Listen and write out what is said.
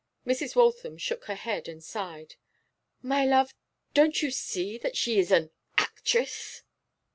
Mrs. Waltham shook her head and sighed. 'My love, don't you see that she is an actress?